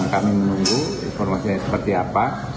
kami menunggu informasinya seperti apa